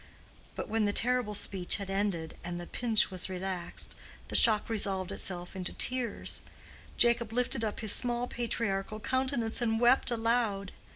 But when the terrible speech had ended and the pinch was relaxed, the shock resolved itself into tears; Jacob lifted up his small patriarchal countenance and wept aloud.